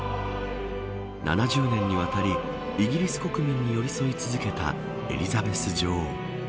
７０年にわたりイギリス国民に寄り添い続けたエリザベス女王。